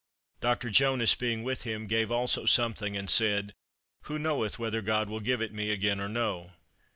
Doctor Jonas, being with him, gave also something, and said, "Who knoweth whether God will give it me again or no?"